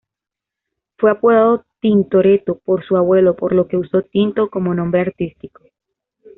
Fue apodado "Tintoretto" por su abuelo, por lo que usó ""Tinto"" como nombre artístico.